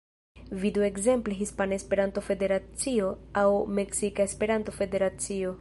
Vidu ekzemple Hispana Esperanto-Federacio aŭ Meksika Esperanto-Federacio.